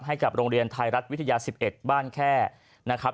ให้กับโรงเรียนไทยรัฐวิทยา๑๑บ้านแค่นะครับ